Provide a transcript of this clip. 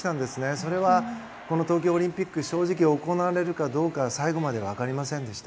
それは、この東京オリンピック正直行われるかどうか最後まで分かりませんでした。